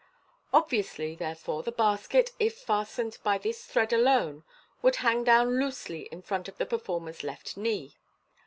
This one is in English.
Obviously, therefore, the basket, if fas tened by this thread alone, would hang down loosely in front of the performer's left knee.